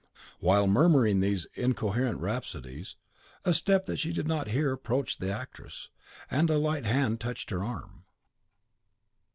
While murmuring these incoherent rhapsodies, a step that she did not hear approached the actress, and a light hand touched her arm.